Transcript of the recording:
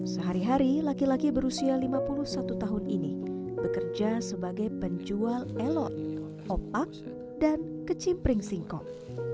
sehari hari laki laki berusia lima puluh satu tahun ini bekerja sebagai penjual elon opak dan kecimpring singkong